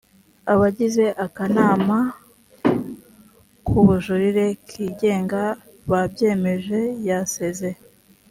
abagize akanama kubujurire kigenga babyemeje yasezeye